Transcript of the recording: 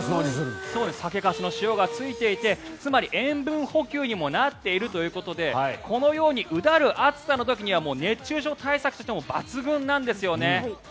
酒粕の塩がついていてつまり塩分補給にもなっているということでこのようにうだる暑さの時には熱中症対策としても抜群なんですよね。